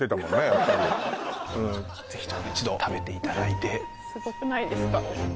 やっぱりうんぜひとも一度食べていただいてすごくないですか？